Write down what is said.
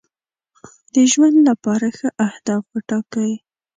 د ژوند لپاره ښه اهداف وټاکئ.